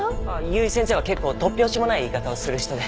由井先生は結構突拍子もない言い方をする人で。